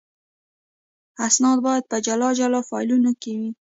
اسناد باید په جلا جلا فایلونو کې وي.